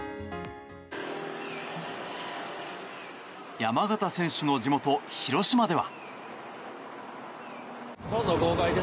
山縣選手の地元・広島では。